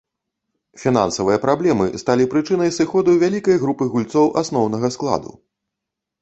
Фінансавыя праблемы сталі прычынай сыходу вялікай групы гульцоў асноўнага складу.